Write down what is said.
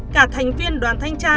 cả thành viên đoàn thanh tra